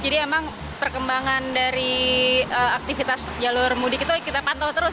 jadi emang perkembangan dari aktivitas jalur mudik itu kita pantau terus